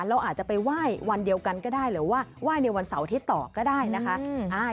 เราอาจจะไปไหว้วันเดียวกันก็ได้หรือว่าไหว้ในวันเสาร์อาทิตย์ต่อก็ได้นะคะ